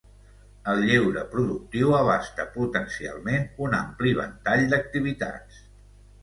El lleure productiu abasta potencialment un ampli ventall d'activitats.